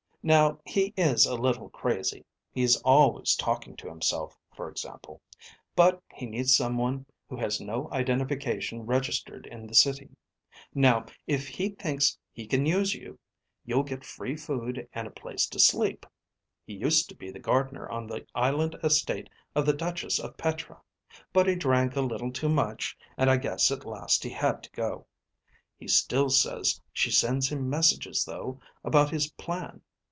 Now, he is a little crazy. He's always talking to himself, for example. But he needs someone who has no identification registered in the City. Now, if he thinks he can use you, you'll get free food and a place to sleep. He used to be the gardener on the island estate of the Duchess of Petra. But he drank a little too much and I guess at last he had to go. He still says she sends him messages though, about his plan.